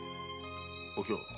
お京